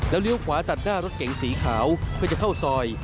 เลี้ยวขวาตัดหน้ารถเก๋งสีขาวเพื่อจะเข้าซอย